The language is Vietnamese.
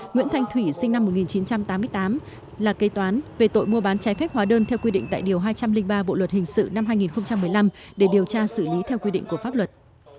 nguyễn thanh thủy sinh năm một nghìn chín trăm tám mươi tám là cây toán về tội mua bán trái phép hóa đơn theo quy định tại điều hai trăm linh ba bộ luật hình sự năm hai nghìn một mươi năm để điều tra xử lý theo quy định của pháp luật